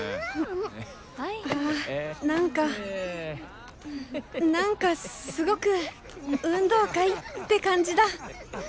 ああ何か何かすごく運動会って感じだ